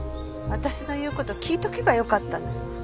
私の言う事聞いとけばよかったのよ。